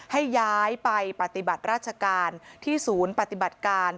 ให้ย้ายไปปฏิบัติราชการที่ศูนย์ปฏิบัติการ